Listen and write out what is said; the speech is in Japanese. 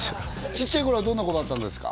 ちっちゃい頃はどんな子だったんですか？